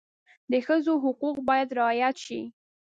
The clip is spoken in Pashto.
د ښځو حقوق باید رعایت شي.